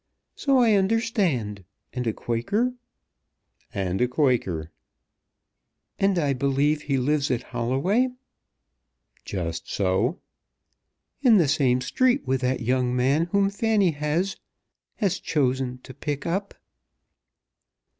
"So I understand, and a Quaker?" "And a Quaker." "And I believe he lives at Holloway." "Just so." "In the same street with that young man whom Fanny has has chosen to pick up."